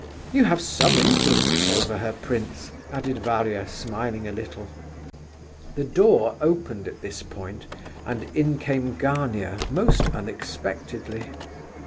You have some influence over her, prince," added Varia, smiling a little. The door opened at this point, and in came Gania most unexpectedly.